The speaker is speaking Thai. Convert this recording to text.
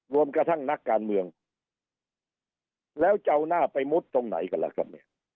รวมกระทั่งนักการเมืองแล้วจะเอาหน้าไปมุดตรงไหนกันล่ะครับเนี่ย